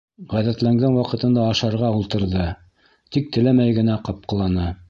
Ғәҙәтләнгән ваҡытында ашарға ултырҙы, тик теләмәй генә ҡапҡыланы.